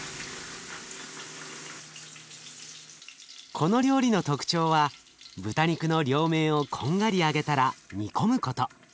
この料理の特徴は豚肉の両面をこんがり揚げたら煮込むこと。